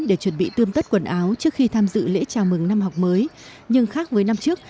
để chuẩn bị tươm tất quần áo trước khi tham dự lễ chào mừng năm học mới nhưng khác với năm trước